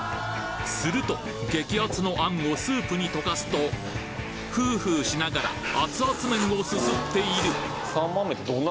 すると激アツの餡をスープに溶かすとフーフーしながらアツアツ麺をすすっている！